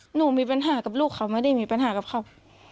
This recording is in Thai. หนูมีปัญหากับลูกเขาไม่ได้มีปัญหากับเขา